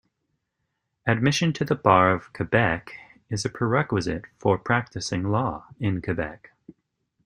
Admission to the Bar of Quebec is a prerequisite for practising law in Quebec.